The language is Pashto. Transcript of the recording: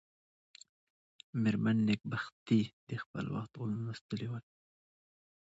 مېرمن نېکبختي د خپل وخت علوم لوستلي ول.